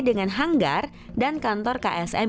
dengan hanggar dan kantor ksm